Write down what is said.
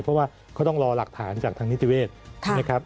เพราะว่าเขาต้องรอหลักฐานจากทางนิติเวศนะครับ